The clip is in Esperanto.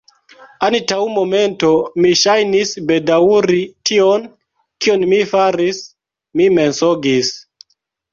Antaŭ momento, mi ŝajnis bedaŭri tion, kion mi faris: mi mensogis.